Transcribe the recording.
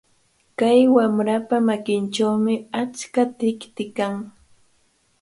Kay wamrapa makinchawmi achka tikti kan.